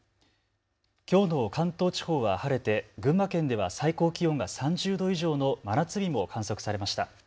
きょうの関東地方は晴れて群馬県では最高気温が３０度以上の真夏日も観測されました。